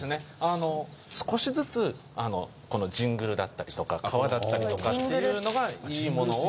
あの少しずつこのジングルだったりとか皮だったりとかっていうのがいいものを。